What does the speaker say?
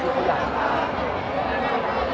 หรือแบบ